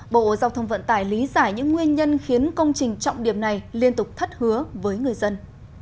bộ giao thông vận tải lý giải những nguyên nhân khiến công trình trọng điểm này liên tục thất hứa với người dân